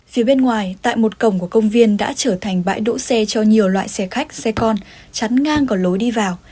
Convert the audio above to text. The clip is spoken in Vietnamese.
phía bên ngoài tại một cổng của công viên đã trở thành bãi đỗ xe cho nhiều loại xe khách xe con chắn ngang còn lối đi vào